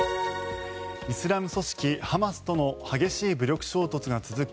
イスラム組織ハマスとの激しい武力衝突が続く